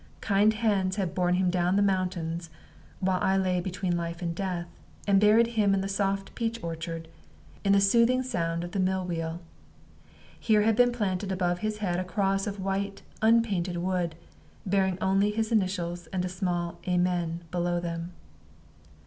Kind hands had borne him down the mountains (while I lay between life and death) and buried him in the soft peach orchard, in the soothing sound of the mill wheel. Here had been planted above his head a cross of white un painted wood, bearing only his initials, and a small "Amen" below them.